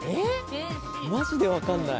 マジでわかんない。